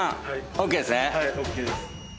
ＯＫです。